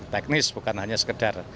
teknis bukan hanya sekedar